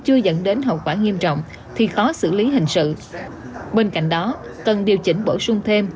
chưa dẫn đến hậu quả nghiêm trọng thì khó xử lý hình sự bên cạnh đó cần điều chỉnh bổ sung thêm